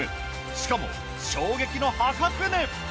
しかも衝撃の破格値。